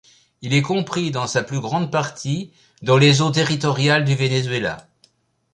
Il est compris dans sa plus grande partie dans les eaux territoriales du Venezuela.